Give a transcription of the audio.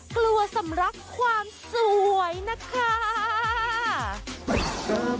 กลัวสำรักความสวยนะคะ